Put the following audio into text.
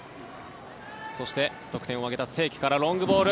そして、得点を挙げた清家からロングボール。